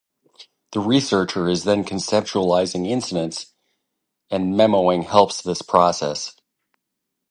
The researcher is then conceptualizing incidents, and memoing helps this process.